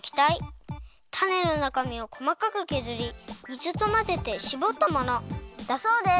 タネのなかみをこまかくけずり水とまぜてしぼったものだそうです。